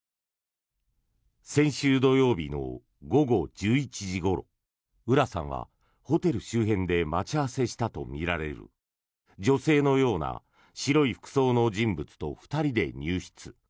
先週土曜日の午後１１時ごろ浦さんはホテル周辺で待ち合わせしたとみられる女性のような白い服装をした人物と２人で入室。